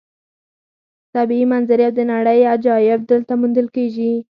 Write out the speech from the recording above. طبیعي منظرې او د نړۍ عجایب دلته موندل کېږي.